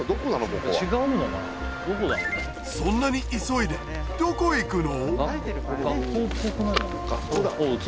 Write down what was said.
そんなに急いでどこ行くの？